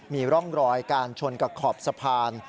มีร่องรอยการชนกับขอบสะพาน